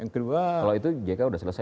kalau itu jk udah selesai